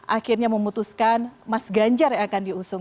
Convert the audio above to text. akhirnya memutuskan mas ganjar yang akan diusung